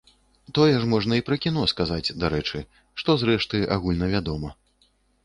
Тое ж можна і пра кіно сказаць, дарэчы, што, зрэшты, агульнавядома.